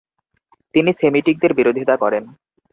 তিনি সেমিটিকদের বিরোধিতা করেন।